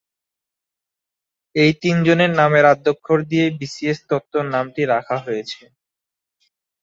এই তিনজনের নামের আদ্যক্ষর দিয়েই বিসিএস তত্ত্ব নামটি রাখা হয়েছে।